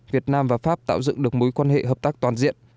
việt nam và pháp tạo dựng được mối quan hệ hợp tác toàn diện